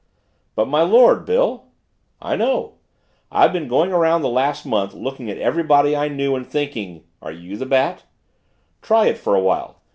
"But my Lord, Bill " "I know. I've been going around the last month, looking at everybody I knew and thinking are you the Bat? Try it for a while.